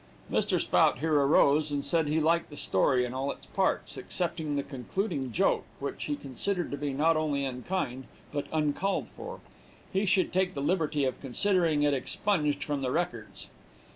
Mr. Spout here arose, and said he liked the story in all of its parts, except the concluding joke, which he considered to be, not only unkind, but uncalled for. He should take the liberty of considering it expunged from the records.